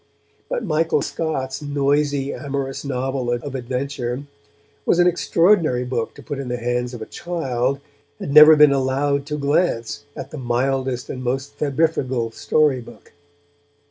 But Michael Scott's noisy amorous novel of adventure was an extraordinary book to put in the hands of a child who had never been allowed to glance at the mildest and most febrifugal story book.